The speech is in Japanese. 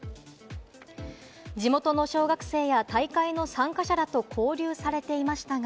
地元の小学生や大会の参加者らと交流されていましたが、